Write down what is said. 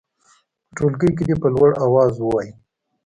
په ټولګي کې دې په لوړ اواز ووايي.